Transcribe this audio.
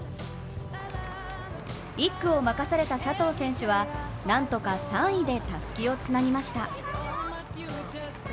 １区を任された佐藤選手はなんとか３位でたすきをつなぎました。